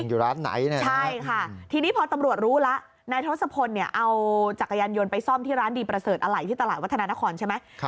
อยู่ร้านไหนเนี่ยใช่ค่ะทีนี้พอตำรวจรู้แล้วนายทศพลเนี่ยเอาจักรยานยนต์ไปซ่อมที่ร้านดีประเสริฐอะไรที่ตลาดวัฒนานครใช่ไหม